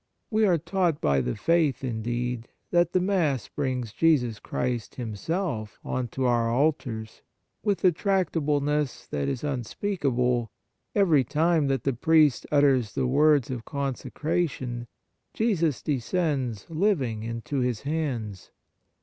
We are taught by the faith, in deed, that the Mass brings Jesus Christ Himself on to our altars. 67 On the Exercises of Piety With a tractableness that is unspeak able, every time that the priest utters the words of consecration, Jesus descends living into his hands.